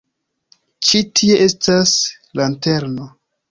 Ĉi tie estas lanterno.